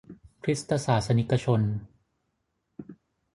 คริสตศาสนิกชน